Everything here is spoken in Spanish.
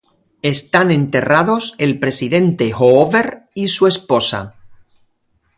Están enterrados el Presidente Hoover y su esposa.